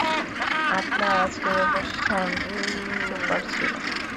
আপনার আজকের অনুষ্ঠান সুপার ছিলো!